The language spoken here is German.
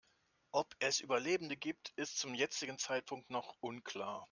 Ob es Überlebende gibt, ist zum jetzigen Zeitpunkt noch unklar.